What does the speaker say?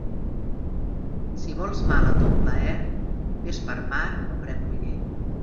Si vols mal a ton plaer, vés per mar o pren muller.